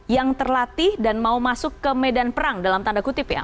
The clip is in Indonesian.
yang terlatih dan mau masuk ke medan perang dalam tanda kutip ya